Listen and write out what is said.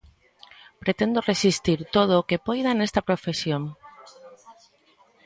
Pretendo resistir todo o que poida nesta profesión.